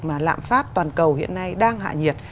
mà lạm phát toàn cầu hiện nay đang hạ nhiệt